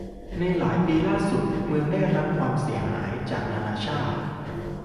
ในหลายปีล่าสุด เมืองได้รับความความสนใจจากนานาชาติ